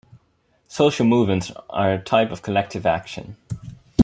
Social movements are a type of collective action.